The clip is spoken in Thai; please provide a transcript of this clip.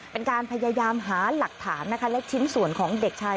เป็นการพยายามหาหลักฐานนะคะและชิ้นส่วนของเด็กชาย